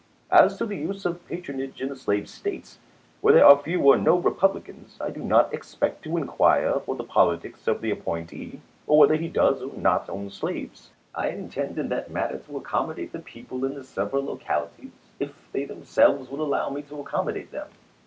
As to the use of patronage in the slave States, where there are few or no Republicans, I do not expect to in quire for the politics of the appointee, or whether he does or not own slaves. I intend in that matter to accommodate the people in the several localities, if they themselves will allow me to accommodate them.